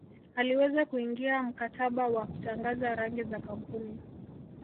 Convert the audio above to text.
aliweza kuingia mkataba wa kutangaza rangi za kampuni